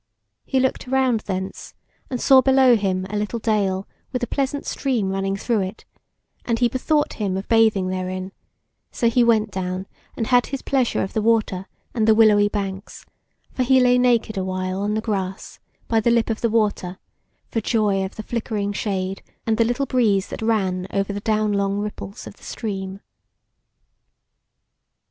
He looked around thence and saw below him a little dale with a pleasant stream running through it, and he bethought him of bathing therein, so he went down and had his pleasure of the water and the willowy banks; for he lay naked a while on the grass by the lip of the water, for joy of the flickering shade, and the little breeze that ran over the down long ripples of the stream.